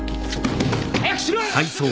早くしろよ！